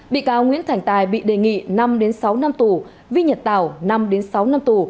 bị cáo nguyễn thành tài bị đề nghị năm sáu năm tù vi nhật tảo năm sáu năm tù